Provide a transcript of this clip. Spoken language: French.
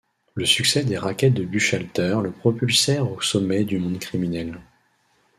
Le succès des rackets de Buchalter le propulsèrent aux sommets du monde criminel.